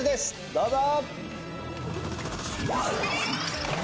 どうぞ！